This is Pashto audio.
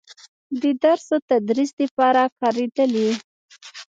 د درس و تدريس دپاره کارېدلې